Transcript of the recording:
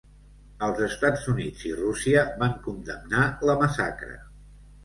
Els Estats Units i Rússia van condemnar la massacre.